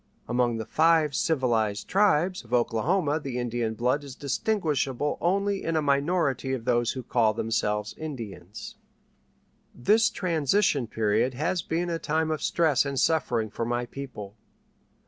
Among the "Five Civilized Tribes" of Oklahoma the Indian blood is distinguishable only in a minority of those who call themselves "Indians." This transition period has been a time of stress and suffering for my people.